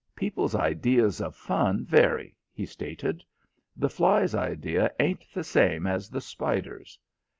"People's ideas of fun vary," he stated. "The fly's idea ain't the same as the spider's.